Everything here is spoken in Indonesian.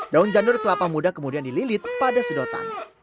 daun janur kelapa muda kemudian dililit pada sedotan